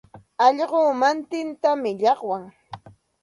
Allquu matintam llaqwan.